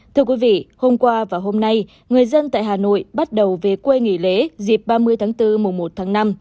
thưa quý vị hôm qua và hôm nay người dân tại hà nội bắt đầu về quê nghỉ lễ dịp ba mươi tháng bốn mùa một tháng năm